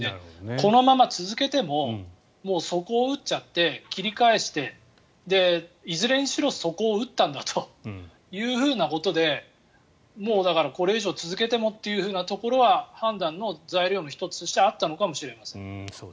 このまま続けてももう底を打っちゃって切り返して、いずれにしろ底を打ったんだということでだから、これ以上続けてもというところは判断の材料の１つとしてあったのかもしれません。